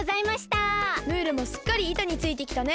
ムールもすっかりいたについてきたね。